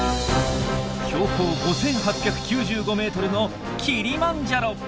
標高５，８９５ｍのキリマンジャロ！